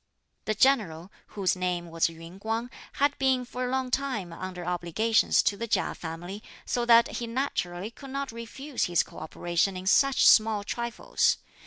The general, whose name was Yün Kuang, had been for a long time under obligations to the Chia family, so that he naturally could not refuse his co operation in such small trifles.